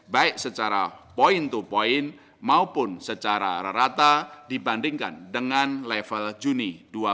baik secara point to point maupun secara rata dibandingkan dengan level juni dua ribu dua puluh